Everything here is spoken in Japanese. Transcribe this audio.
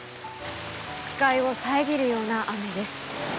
視界を遮るような雨です。